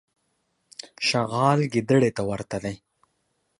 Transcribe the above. چغال ګیدړي ته ورته دی.